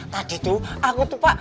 tadi tuh aku tuh pak